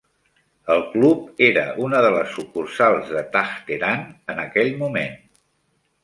El club era una de les sucursals de Taj Tehran en aquell moment.